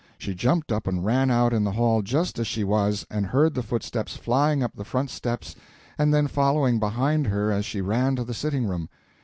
She jumped up and ran out in the hall just as she was, and heard the footsteps flying up the front steps and then following behind her as she ran to the sitting room.